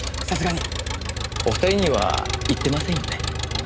さすがにお二人には言ってませんよね。